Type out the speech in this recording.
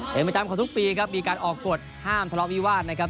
เป็นประจำของทุกปีครับมีการออกกฎห้ามทะเลาะวิวาสนะครับ